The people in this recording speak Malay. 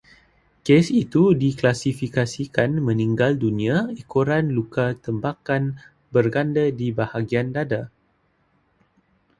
Kes itu diklasifikasikan meninggal dunia ekoran luka tembakan berganda di bahagian dada